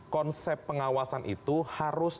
konsep pengawasan itu harus